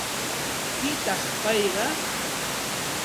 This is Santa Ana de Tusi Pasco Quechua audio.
¿Pitaq payqa?